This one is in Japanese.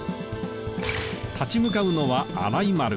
立ち向かうのは荒井丸。